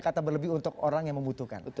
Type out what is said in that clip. kata berlebih untuk orang yang membutuhkan